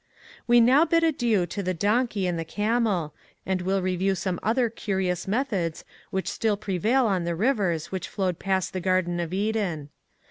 We now bid adieu to the donkey and the camel and will review some other curious methods which still prevail on the rivers which flowed past the Garden of Eden.